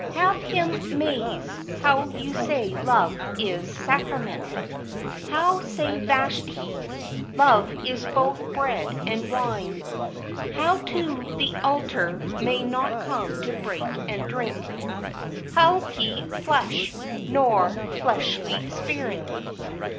Have him 'maze how you say love is sacrament; How says Vashti, love is both bread and wine; How to the altar may not come to break and drink, Hulky flesh nor fleshly spirit!